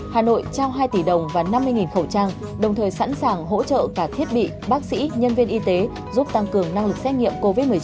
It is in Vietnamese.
hà nội trao hai tỷ đồng và năm mươi khẩu trang đồng thời sẵn sàng hỗ trợ cả thiết bị bác sĩ nhân viên y tế giúp tăng cường năng lực xét nghiệm covid một mươi chín